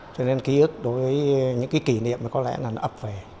cho nên ký ức đối với những kỷ niệm có lẽ là nó ấp về